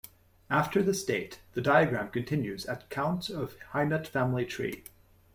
After this date, the diagram continues at Counts of Hainaut family tree.